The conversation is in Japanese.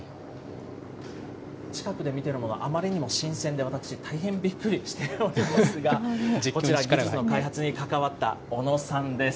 近くで見てるのが、あまりにも新鮮で、私、大変びっくりしているんですが、こちらの技術の開発に関わった小野さんです。